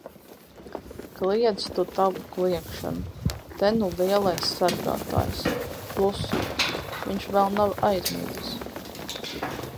Kliedz tu tavu kliegšanu! Te nu lielais sargātājs! Klusu. Viņš vēl nav aizmidzis.